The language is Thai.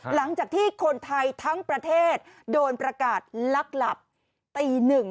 หลังจากที่คนไทยทั้งประเทศโดนประกาศลักหลับตีหนึ่ง